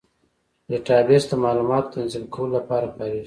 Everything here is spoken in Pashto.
ډیټابیس د معلوماتو تنظیم کولو لپاره کارېږي.